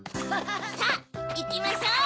さぁいきましょう。